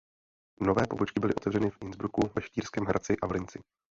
Nové pobočky byly otevřeny v Innsbrucku ve Štýrském Hradci a v Linci.